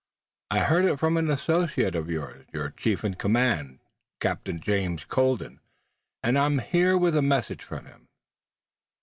"I heard it from an associate of yours, your chief in command, Captain James Colden, and I am here with a message from him."